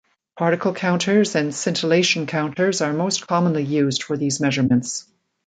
Particle counters and Scintillation counters are most commonly used for these measurements.